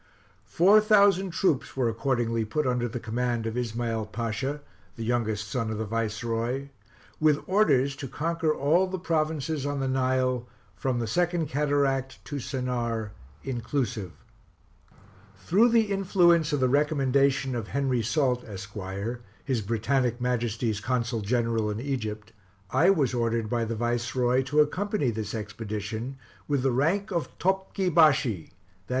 Four thousand troops were accordingly put under the command of Ismael Pasha, the youngest son of the Viceroy, with orders to conquer all the provinces on the Nile, from the Second Cataract to Sennaar inclusive. Through the influence of the recommendation of Henry Salt, Esq., His Britannic Majesty's Consul General in Egypt, I was ordered by the Viceroy to accompany this expedition, with the rank of Topgi Bashi, i.